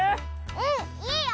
うんいいよ！